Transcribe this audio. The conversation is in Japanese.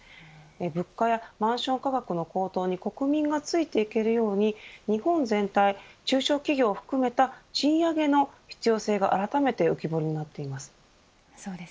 物価やマンション価格の高騰に国民がついていけるように日本全体、中小企業を含めた賃上げの必要性があらためて浮き彫りになっています。